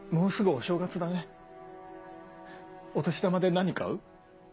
お年玉で何買う？